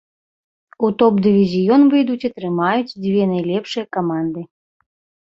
У топ-дывізіён выйдуць атрымаюць дзве найлепшыя каманды.